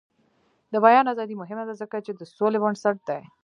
د بیان ازادي مهمه ده ځکه چې د سولې بنسټ دی.